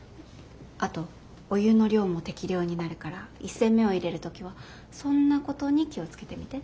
あとお湯の量も適量になるから一煎目をいれる時はそんなことに気を付けてみて。